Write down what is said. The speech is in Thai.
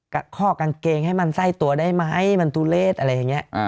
ก็ข้อกางเกงให้มันใส่ตัวได้ไหมมันตูเลสอะไรอย่างเงี้ยอ่า